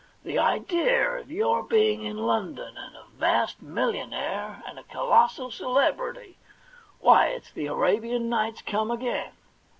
The idea of your being in London, and a vast mil lionaire, and a colossal celebrity ! Why, it's the Arabian Nights come again.